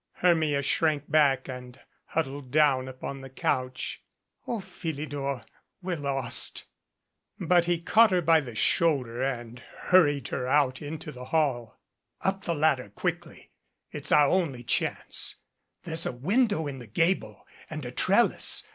Hermia shrank back and huddled down upon the couch. "0 Philidor, we're lost " 228 NEMESIS But he caught her by the shoulder and hurried her out into the hall. "Up the ladder quickly! It's our only chance. There's a window in the gable and a trellis.